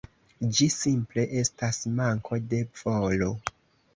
Ĝi simple estas manko de volo.